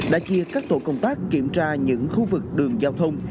đã chia các tổ công tác kiểm tra những khu vực đường giao thông